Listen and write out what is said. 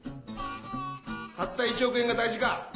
たった１億円が大事か？